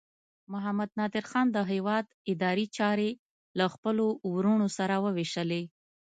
محمد نادر خان د هیواد اداري چارې له خپلو وروڼو سره وویشلې.